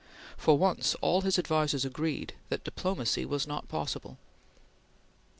For once all his advisers agreed that diplomacy was not possible.